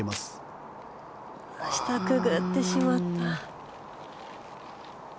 下をくぐってしまった。